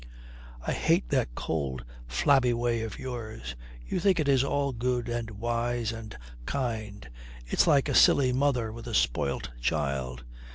"I hate that cold, flabby way of yours. You think it is all good and wise and kind. It's like a silly mother with a spoilt child.